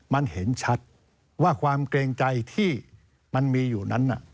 มันเห็นชัดว่าความเกรงใจที่มันมีอยู่นั้น